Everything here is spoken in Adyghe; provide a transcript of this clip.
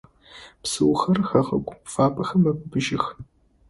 Бзыухэр хэгъэгу фабэхэм мэбыбыжьых.